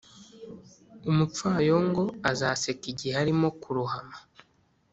umupfayongo azaseka igihe arimo kurohama